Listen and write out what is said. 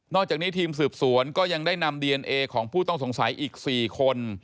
อกจากนี้ทีมสืบสวนก็ยังได้นำดีเอนเอของผู้ต้องสงสัยอีก๔คน